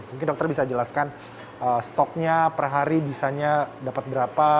mungkin dokter bisa jelaskan stoknya per hari bisanya dapat berapa